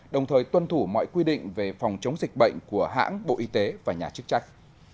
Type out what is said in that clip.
đồng thời tuân thủ mọi quy định về phòng chống dịch bệnh của hãng bộ y tế và nhà chức trách